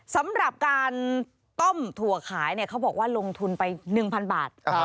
สำหรับการต้มถั่วขายเขาบอกว่าลงทุนไป๑๐๐บาท